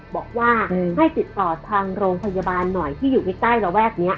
บอกว่าให้ติดต่อทางโรงพยาบาลหน่อยที่อยู่ใกล้ระแวกนี้